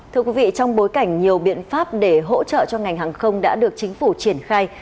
thưa quý vị trong bối cảnh nhiều biện pháp để hỗ trợ cho ngành hàng không đã được chính phủ triển khai